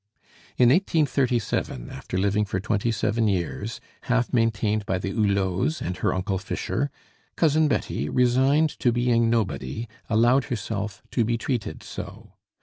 In 1837, after living for twenty seven years, half maintained by the Hulots and her Uncle Fischer, Cousin Betty, resigned to being nobody, allowed herself to be treated so.